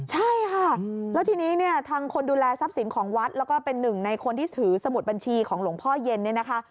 ใช่ค่ะแล้วทีนี้เนี่ยทางคนดูแลทรัพย์สินของวัดแล้วก็เป็นหนึ่งในคนที่ถือสมุดบัญชีของหลวงพ่อเย็นเนี่ยนะคะ